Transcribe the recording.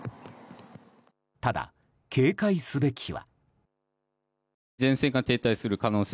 ただ、警戒すべきは。